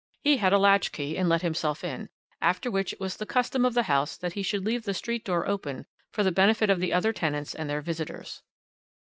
He had a latch key, and let himself in, after which it was the custom of the house that he should leave the street door open for the benefit of the other tenants and their visitors.